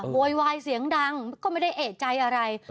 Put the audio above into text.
โวยวายเสียงดังก็ไม่ได้เอกใจอะไร